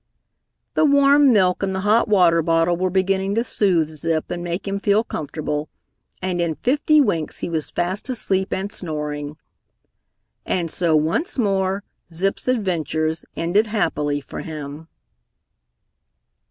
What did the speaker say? The warm milk and the hot water bottle were beginning to soothe Zip and make him feel comfortable, and in fifty winks he was fast asleep and snoring. And so once more Zip's adventures ended happily for him.